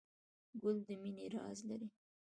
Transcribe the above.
ګل د مینې راز لري.